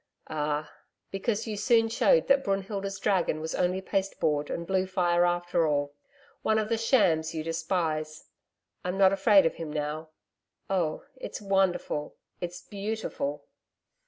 'Ah! Because you soon showed that Brunhilda's dragon was only pasteboard and blue fire after all one of the shams you despise. I'm not afraid of him now.... Oh, it's wonderful.... It's beautiful....'